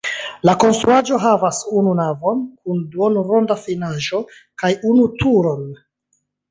La konstruaĵo havas unu navon kun duonronda finaĵo kaj unu turon.